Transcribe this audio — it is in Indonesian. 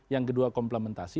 yang kedua komplementasi